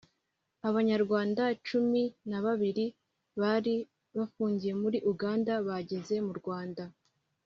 abanyarwanda cumin na babiri bari bafungiye muri Uganda bageze mu Rwanda